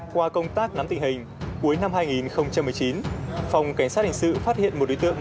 qua công tác nắm tình hình cuối năm hai nghìn một mươi chín phòng cảnh sát hình sự phát hiện một đối tượng